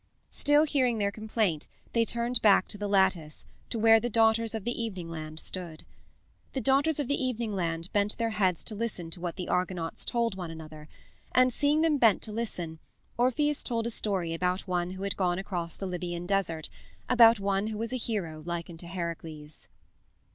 Still hearing their complaint they turned back to the lattice, to where the Daughters of the Evening Land stood. The Daughters of the Evening Land bent their heads to listen to what the Argonauts told one another, and, seeing them bent to listen, Orpheus told a story about one who had gone across the Libyan desert, about one who was a hero like unto Heracles.